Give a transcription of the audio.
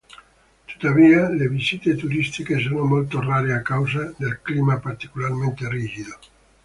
Tuttavia, le visite turistiche sono molto rare a causa del clima particolarmente rigido.